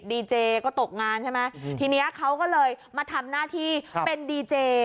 ดีเจก็ตกงานใช่ไหมทีนี้เขาก็เลยมาทำหน้าที่เป็นดีเจ